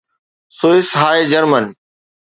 Swiss هاء German